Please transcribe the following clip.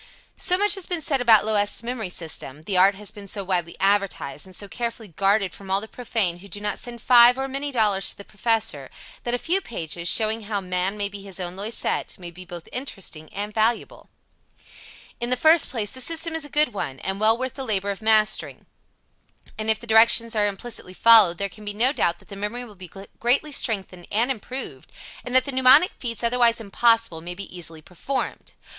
So much has been said about Loisette's memory system, the art has been so widely advertised, and so carefully guarded from all the profane who do not send five or many dollars to the Professor, that a few pages, showing how man may be his own Loisette, may be both interesting and valuable. In the first place, the system is a good one, and well worth the labor of mastering, and if the directions are implicitly followed there can be no doubt that the memory will be greatly strengthened and improved, and that the mnemonic feats otherwise impossible may be easily performed.